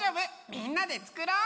みんなでつくろう！